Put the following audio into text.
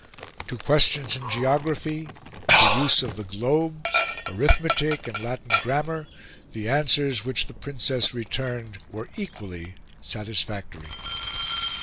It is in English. To questions in Geography, the use of the Globes, Arithmetic, and Latin Grammar, the answers which the Princess returned were equally satisfactory."